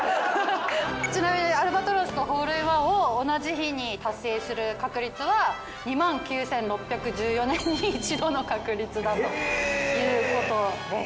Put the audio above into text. ちなみにアルバトロスとホールインワンを同じ日に達成する確率は２９，６１４年に一度の確率だということです。